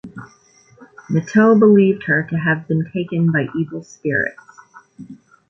Meteau believed her to have been taken by evil spirits.